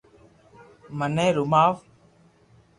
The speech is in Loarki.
مني رماوُ